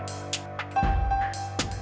iya kan belum diangkat brother